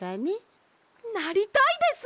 なりたいです！